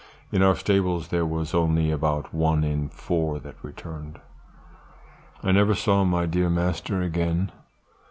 In our stables there was only about one in four that returned. "I never saw my dear master again.